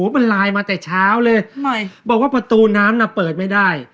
มันไลน์มาแต่เช้าเลยบอกว่าประตูน้ำน่ะเปิดไม่ได้